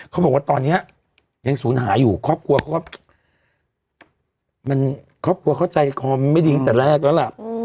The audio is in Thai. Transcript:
เขาบอกว่าตอนนี้ยังศูนย์หาอยู่ครอบครัวเข้าใจไม่ดีตั้งแต่แรกแล้วล่ะ